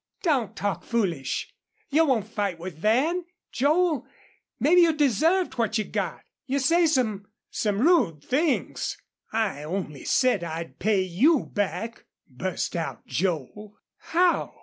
"Don't talk foolish. You won't fight with Van.... Joel, maybe you deserved what you got. You say some some rude things." "I only said I'd pay you back," burst out Joel. "How?"